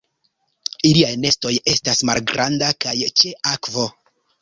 Iliaj nestoj estas malgranda kaj ĉe akvo.